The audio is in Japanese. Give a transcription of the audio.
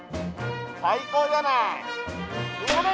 最高じゃない！